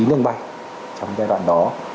một mươi chín đường bay trong giai đoạn đó